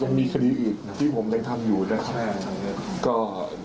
ยังมีคดีอีกที่ผมยังทำอยู่นะคะมีคดีอีกของคนเขาใช่